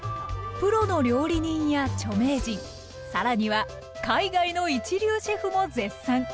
プロの料理人や著名人更には海外の一流シェフも絶賛。